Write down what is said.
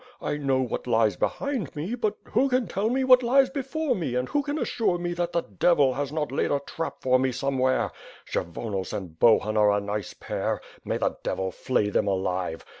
I know what lies behind me, but who can tell me what lies before me and who can assure me that the devil has not laid a trap for me somewhere. Kshyvonos and Bohun are a nice pair. May the devil flay them alive!